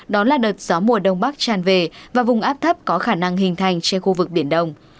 đó là đợt gió mùa đông bắc tràn về và vùng áp thấp có khả năng hình thành trên khu vực biển đông